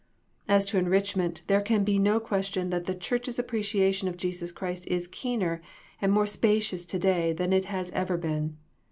As to enrichment, there can be no question that the church's appreciation of Jesus Christ is keener and more spacious to day than it has ever been.